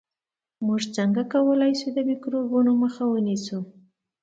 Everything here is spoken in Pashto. موږ څنګه کولای شو د میکروبونو مخه ونیسو